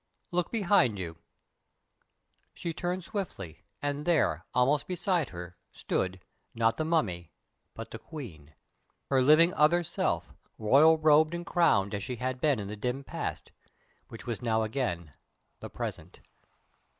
Look behind you!" She turned swiftly, and there, almost beside her, stood not the Mummy, but the Queen, her living other self, royal robed and crowned as she had been in the dim past, which was now again the present.